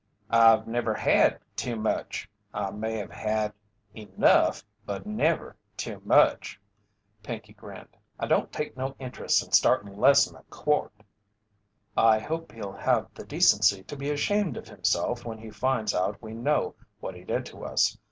"I've never had too much. I may have had enough, but never too much," Pinkey grinned. "I don't take no int'rest in startin' less'n a quart." "I hope he'll have the decency to be ashamed of himself when he finds out we know what he did to us.